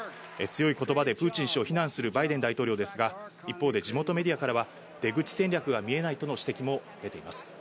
強い言葉でプーチン氏を非難するバイデン大統領ですが、一方で地元メディアからは出口戦略が見えないとの指摘も出ています。